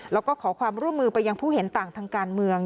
แล้วก็ขอความร่วมมือไปยังผู้เห็นต่างทางการเมือง